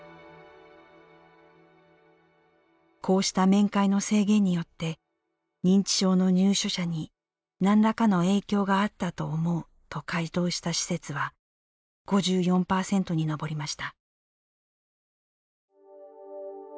こうした面会の制限によって認知症の入所者になんらかの影響があったと思うと回答した施設は５４％に上りました。